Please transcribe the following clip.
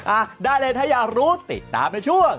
อ่ะได้เลยถ้าอยากรู้ติดตามในช่วง